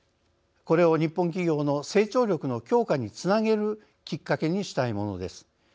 これを日本企業の成長力の強化につなげるきっかけにしたいものです。